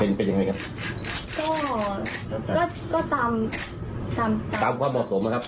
เป็นเป็นยังไงครับก็ก็ก็ตามตามความเหมาะสมนะครับ